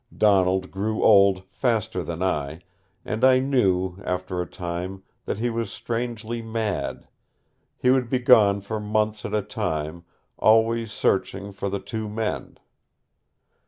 Donald grew old faster than I, and I knew, after a time, that he was strangely mad. He would be gone for months at a time, always searching for the two men.